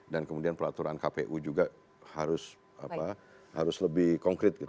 dan kemudian peraturan kpu juga harus lebih konkret